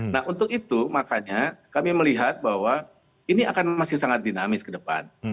nah untuk itu makanya kami melihat bahwa ini akan masih sangat dinamis ke depan